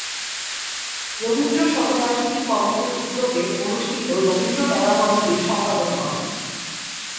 রবীন্দ্র শতবার্ষিকী কমিটির উদ্যোগে অনুষ্ঠিত রবীন্দ্র মেলা কমিটির সম্পাদক হন।